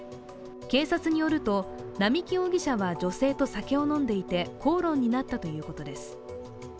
警察によると、並木容疑者は女性と酒を飲んでいて口論になったということです。